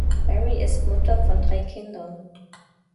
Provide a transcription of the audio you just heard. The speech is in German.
Berry ist Mutter von drei Kindern.